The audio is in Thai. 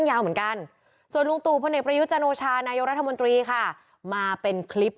๑๓ล้านกว่าชีวิต